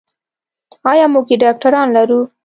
ایا موږ یې ډاکتران لرو.